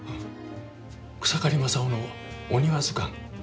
「草刈正雄のお庭図鑑」